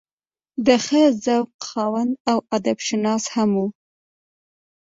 د ښۀ ذوق خاوند او ادب شناس هم وو